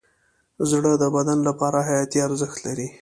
زړه د بدن لپاره حیاتي ارزښت لري.